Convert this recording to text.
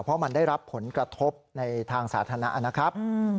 เพราะมันได้รับผลกระทบในทางสาธารณะนะครับ